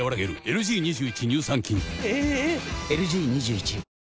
⁉ＬＧ２１